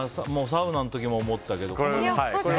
サウナの時も思ったけど。